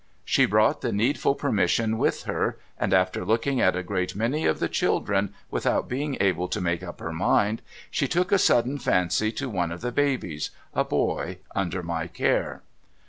She brought the needful permission with her, and after looking at a great many of the rhiUlren, without being able to make up her mind, she took a sudden fancy to one of the babies — a boy — under my care.